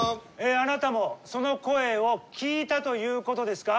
あなたもその声を聴いたということですか？